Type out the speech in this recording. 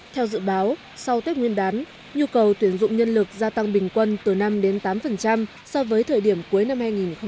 theo dự báo sau tết nguyên đán nhu cầu tuyển dụng nhân lực gia tăng bình quân từ năm đến tám so với thời điểm cuối năm hai nghìn hai mươi